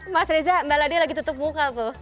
mas reza mbak ladia lagi tutup muka tuh